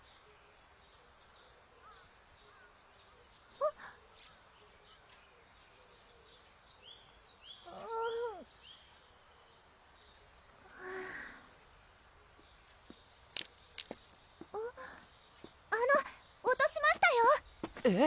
あっはぁあの落としましたよえっ？